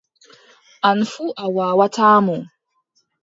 An fuu a waawataa mo.